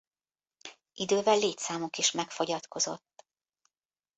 Idővel létszámuk is megfogyatkozott.